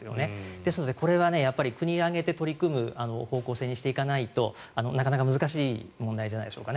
ですのでこれはやっぱり国を挙げて取り組む方向性にしていかないとなかなか難しい問題じゃないでしょうかね。